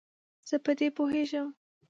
زه په دې پوهیږم.